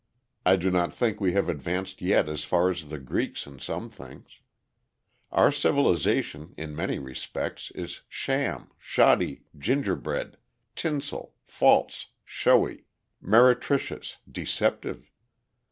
I do not think we have advanced yet as far as the Greeks in some things. Our civilization, in many respects, is sham, shoddy, gingerbread, tinsel, false, showy, meretricious, deceptive.